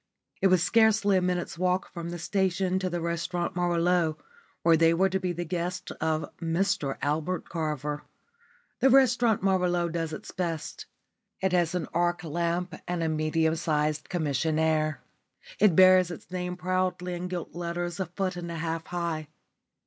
It was scarcely a minute's walk from the station to the Restaurant Merveilleux, where they were to be the guests of Mr Albert Carver. The Restaurant Merveilleux does its best. It has an arc lamp and a medium sized commissionaire. It bears its name proudly in gilt letters a foot and a half high.